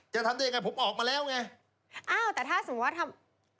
จะทำได้ยังไงผมออกมาแล้วไงอ้าวแต่ถ้าสมมุติว่าทำ